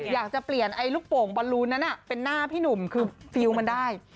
อยากจะเปลี่ยนไอ้ลูกโป่งบอลลูนนั้นเป็นหน้าพี่หนุ่มคือฟิลล์มันได้